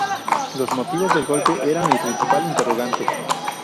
Los motivos del golpe eran el principal interrogante.